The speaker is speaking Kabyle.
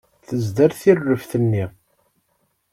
Tezder tireft-nni.